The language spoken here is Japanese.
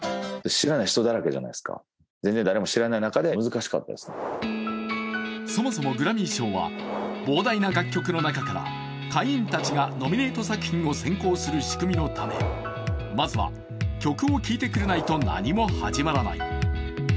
しかしそもそもグラミー賞は膨大な楽曲の中から会員たちがノミネート作品を選考する仕組みのためまずは曲を聴いてくれないと何も始まらない。